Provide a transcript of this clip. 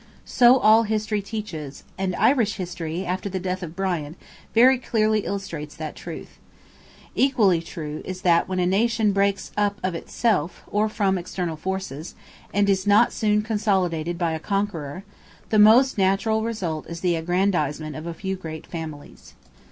So all history teaches—and Irish history, after the death of Brian, very clearly illustrates that truth. Equally true is it that when a nation breaks up of itself, or from external forces, and is not soon consolidated by a conqueror, the most natural result is the aggrandizement of a few great families.